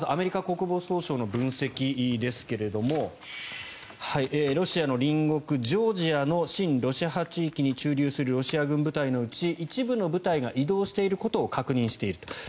まずアメリカ国防総省の分析ですがロシアの隣国ジョージアの親ロシア派地域に駐留するロシア軍部隊のうち一部の部隊が移動していることを確認していると。